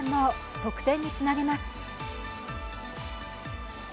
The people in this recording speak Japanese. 得点につなげます。